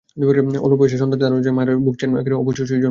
অল্প বয়সে সন্তান ধারণের জন্য মায়েরা ভুগছেন, অপুষ্ট শিশু জন্ম নিচ্ছে।